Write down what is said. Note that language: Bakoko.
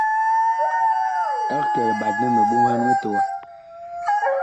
Eg kɛ liɓat nɛ mi ɓoŋhan mitowa.